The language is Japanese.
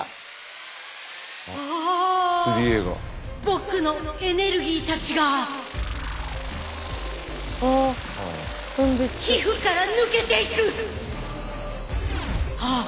ああ僕のエネルギーたちが皮膚から抜けていく！